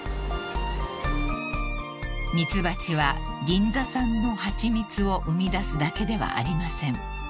［蜜蜂は銀座産の蜂蜜を生み出すだけではありません］